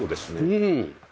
うん。